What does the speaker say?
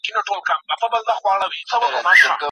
آس په پوره وقار سره د شنه چمن په لور ګامونه واخیستل.